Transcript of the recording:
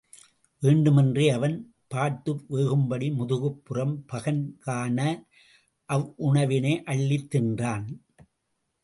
வேண்டுமென்றே அவன் பார்த்து வேகும்படி முதுகுப் புறம் பகன் காண அவ்வுணவினை அள்ளித் தின்றான்.